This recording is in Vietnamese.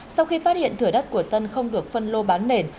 sau khi phát hiện thửa đất của tân không được phân lô bán nền